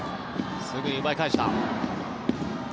すぐに奪い返した。